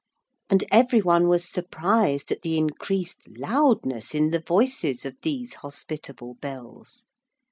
And every one was surprised at the increased loudness in the voices of these hospitable bells.